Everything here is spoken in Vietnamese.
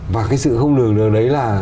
và cái sự không lường được đấy là